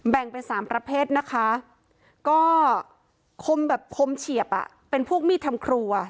เป็นสามประเภทนะคะก็คมแบบคมเฉียบอ่ะเป็นพวกมีดทำครัว